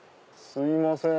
すいません。